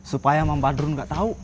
supaya bang badrun gak tahu